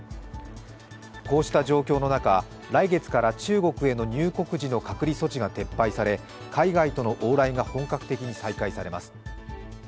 こうした状況の中、来月から中国への入国時の隔離措置が撤廃され海外との往来が本格的に再開されます。